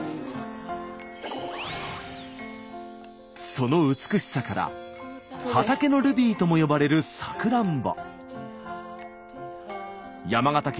その美しさから「畑のルビー」とも呼ばれるさくらんぼ。